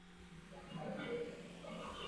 在此介绍的学生故事结尾都已毕业。